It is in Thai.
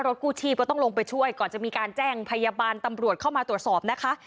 กู้ชีพก็ต้องลงไปช่วยก่อนจะมีการแจ้งพยาบาลตำรวจเข้ามาตรวจสอบนะคะ